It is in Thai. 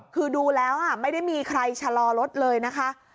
คือดูแล้วไม่ได้มีใครชะลอรถเลยนะคะ